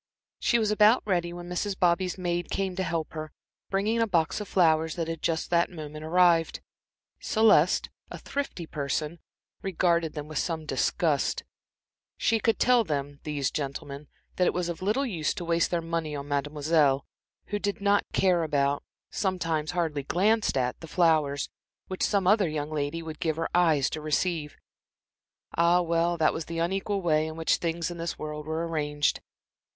She was about ready when Mrs. Bobby's maid came to help her, bringing a box of flowers that had just that moment arrived. Celeste, a thrifty person, regarded them with some disgust. She could tell them, these gentlemen, that it was of little use to waste their money on Mademoiselle, who did not care about, sometimes hardly glanced at, the flowers which some other young lady would give her eyes to receive. Ah, well, that was the unequal way in which things in this world were arranged.